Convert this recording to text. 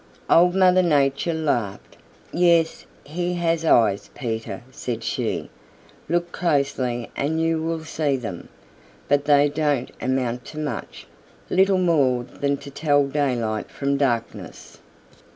Old Mother Nature laughed. "Yes, he has eyes, Peter," said she. "Look closely and you will see them. But they don't amount to much little more than to tell daylight from darkness.